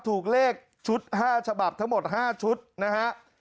ถูกเลขชุด๕ฉบับทั้งหมด๕ชุดนะฮะ